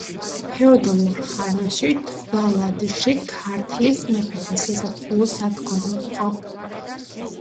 ფეოდალურ ხანაში თვალადში ქართლის მეფეთა საზაფხულო სადგომი იყო.